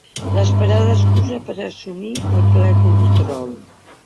L'esperada excusa per assumir el ple control